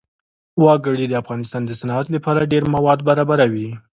وګړي د افغانستان د صنعت لپاره ډېر مواد برابروي.